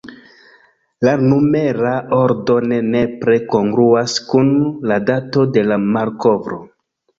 La numera ordo ne nepre kongruas kun la dato de la malkovro.